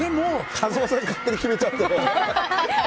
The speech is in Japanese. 風間さんが勝手に決めちゃって。